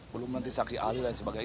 belum nanti saksi ahli dan sebagainya